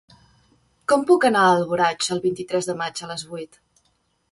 Com puc anar a Alboraig el vint-i-tres de maig a les vuit?